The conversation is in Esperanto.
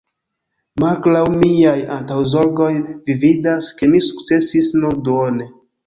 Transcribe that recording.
Malgraŭ miaj antaŭzorgoj, vi vidas, ke mi sukcesis nur duone.